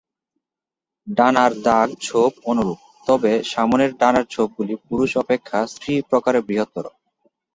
ডানার দাগ-ছোপ অনুরূপ; তবে সামনের ডানার ছোপগুলি পুরুষ অপেক্ষা স্ত্রী প্রকারে বৃহত্তর।